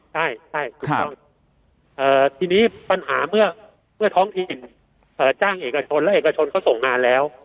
คือที่นี้ปัญหาเมื่อท้องถิ่นก็จ้างเอกชนเอกชนเขาส่งมาแล้ว